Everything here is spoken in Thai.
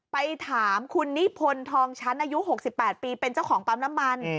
ไปถามคุณนิพนธ์ทองชั้นอายุ๖๘ปีเป็นเจ้าของปั๊มน้ำมัน